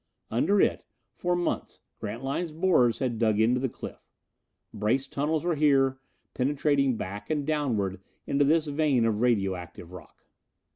Under it, for months Grantline's borers had dug into the cliff. Braced tunnels were here, penetrating back and downward into this vein of radio active rock.